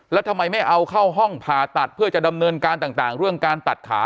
แล้วทำไมไม่เอาเข้าห้องผ่าตัดเพื่อจะดำเนินการต่างเรื่องการตัดขา